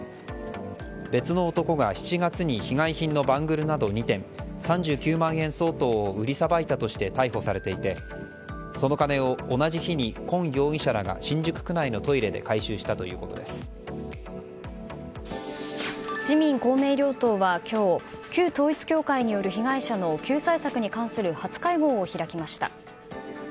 別の男が７月に被害品のバングルなど２点３９万円相当を売りさばいたとして逮捕されていてその金を同じ日にコン容疑者らが新宿区内のトイレで自民・公明両党は今日旧統一教会による被害者の救済策に関する初会合を開きました。